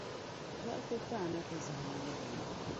Dɔɣite paana nti zahim Adamu.